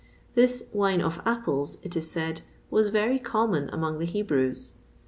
This "wine of apples,"[XXVI 34] it is said, was very common among the Hebrews.